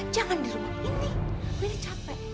jangan di rumah ini biar capek